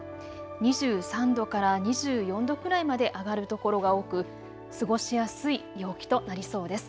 ２３度から２４度くらいまで上がる所が多く過ごしやすい陽気となりそうです。